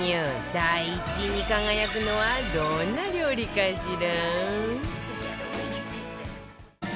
第１位に輝くのはどんな料理かしら？